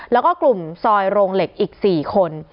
แล้วก็กลุ่มซอยโรงเหล็กอีก๔คน